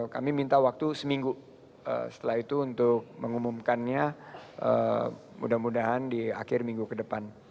kami minta waktu seminggu setelah itu untuk mengumumkannya mudah mudahan di akhir minggu ke depan